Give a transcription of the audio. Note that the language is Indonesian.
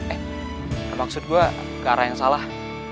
eh maksud gue ke arah yang salah